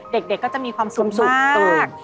เด็กก็จะมีความสุขมาก